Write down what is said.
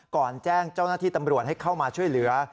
ก่อนแจ้งเจ้าหน้าที่ตำรวจให้เข้ามาช่วยเหลือ